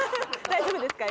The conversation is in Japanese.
大丈夫ですか。